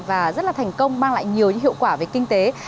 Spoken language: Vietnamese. và rất là thành công mang lại nhiều hiệu quả về kinh tế